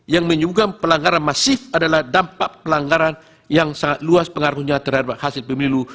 yang menyukam pelanggaran masif adalah dampak pelanggaran yang sangat luas pengaruhnya terhadap hasil pemilu